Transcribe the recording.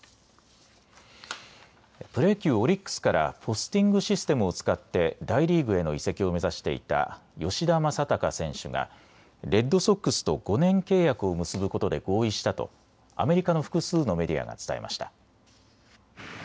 プロ野球・オリックスからポスティングシステムを使って大リーグへの移籍を目指していた吉田正尚選手がレッドソックスと５年契約を結ぶことで合意したとアメリカの複数のメディアが伝えました。